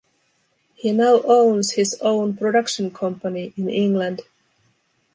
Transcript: He now owns his own production company in England.